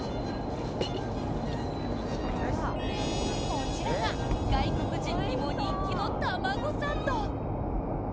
こちらが外国人にも人気のタマゴサンド。